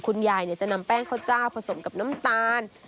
คุณยายจะนำแป้งข้าวเจ้าผสมกับน้ำตาล